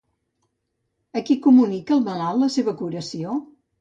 A qui comunica el malalt la seva curació?